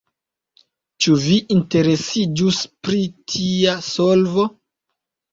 Ĉu vi interesiĝus pri tia solvo?